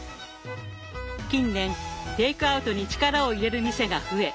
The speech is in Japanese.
近年テイクアウトに力を入れる店が増え